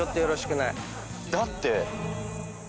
だって。